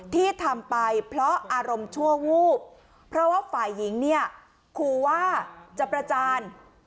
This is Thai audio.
ที่ทำไปเพราะอารมณ์ชั่ววูบเพราะว่าฝ่ายหญิงเนี่ยขู่ว่าจะประจาน